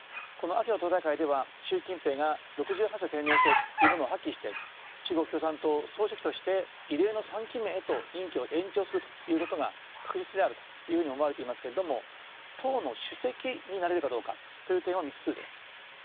この秋の党大会では習近平が６８歳定年制というものを破棄して中国共産党総書記として異例の３期目へと任期を延長するということが確実であるというふうに思われていますけれども党の主席になれるかどうかという点は未知数です。